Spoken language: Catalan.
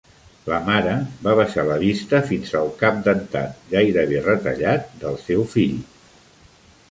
La mare va baixar la vista fins al cap dentat, gairebé retallat del seu fill.